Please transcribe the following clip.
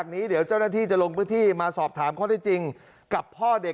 ก็ไม่มีภาพที่จะทำอะไร